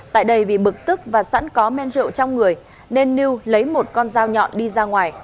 tại đây vì bực tức và sẵn có men rượu trong người nên lưu lấy một con dao nhọn đi ra ngoài